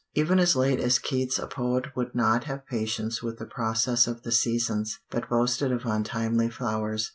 Even as late as Keats a poet would not have patience with the process of the seasons, but boasted of untimely flowers.